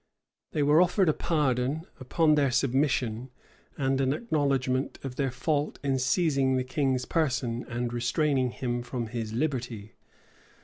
They were offered a pardon, upon their submission, and an acknowledgment of their fault in seizing the king's person and restraining him from his liberty.